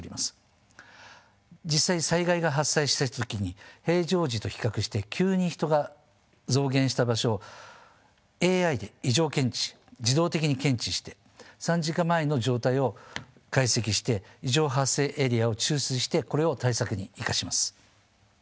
実際災害が発生した時に平常時と比較して急に人が増減した場所をＡＩで異常検知自動的に検知して３時間前の状態を解析して異常発生エリアを抽出してこれを対策に生かします。